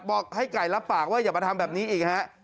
บอกให้ไก่รับปากว่าอย่ามาทำแบบนี้อีกฮะ